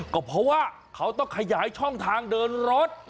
ก็เพราะว่าเขาต้องขยายช่องทางเดินรถ